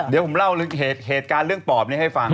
เดี๋ยวผมเล่าเหตุการณ์เรื่องปอบนี้ให้ฟัง